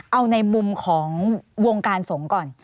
เอาในมุมของวงการสงฆ์ก่อน